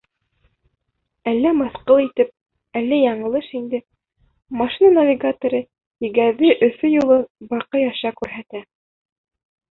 Әллә мыҫҡыл итеп, әллә яңылыш инде, машина навигаторы Егәҙе — Өфө юлын Баҡый аша күрһәтә.